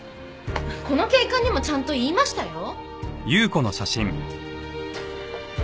この警官にもちゃんと言いましたよ。